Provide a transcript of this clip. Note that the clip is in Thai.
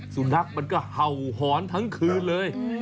สุนัขมันก็เห่าหอนทั้งคืนเลย